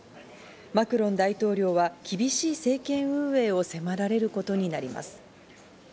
マクロン大統領は厳しい政権運営を迫られることになります。